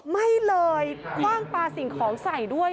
ไม่เลยคว่างปลาสิ่งของใส่ด้วย